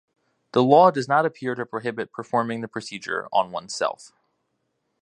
The law does not appear to prohibit performing the procedure on one's self.